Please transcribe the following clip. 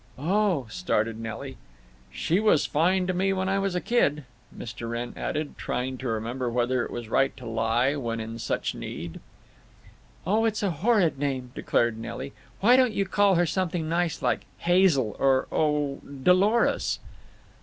"Oh—" started Nelly. "She was fine to me when I was a kid, "Mr. Wrenn added, trying to remember whether it was right to lie when in such need. "Oh, it's a horrid name," declared Nelly. "Why don't you call her something nice, like Hazel—or—oh—Dolores."